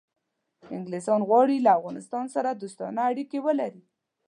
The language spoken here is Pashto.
انګلیسان غواړي له افغانستان سره دوستانه اړیکې ولري.